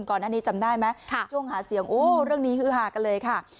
ก่อนหน้านี้จำได้ไหมช่วงหาเสียงโอ้เรื่องนี้ฮือหากันเลยค่ะ